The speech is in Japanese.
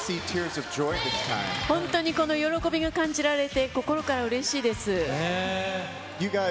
本当にこの喜びが感じられて、心からうれしいです。